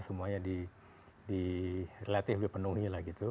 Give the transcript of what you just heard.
semuanya relatif dipenuhi